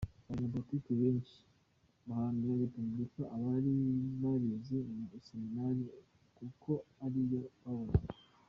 Abanyapolitiki benshi baharaniye Republika bari barize mu iseminari kuko ariyo babonaga.